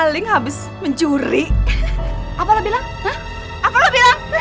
lepas lu kurang ajar kamu sama saya